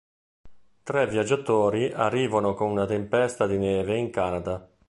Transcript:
Tre viaggiatori arrivano con una tempesta di neve in Canada.